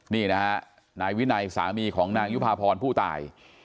นี่นะฮะนายวินัยสามีของนางยุภาพรผู้ตาย